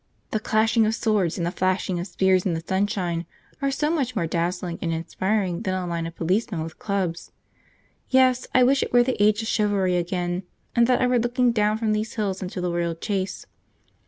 The clashing of swords and the flashing of spears in the sunshine are so much more dazzling and inspiring than a line of policemen with clubs! Yes, I wish it were the age of chivalry again, and that I were looking down from these hills into the Royal Chase.